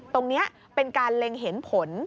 ตรงนี้เป็นการเล็งเห็นผล